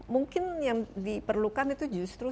mungkin yang diperlukan itu justru